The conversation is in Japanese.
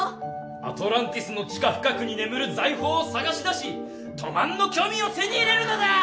アトランティスの地下深くに眠る財宝を探しだしとまんのきょみを手に入れるのだ！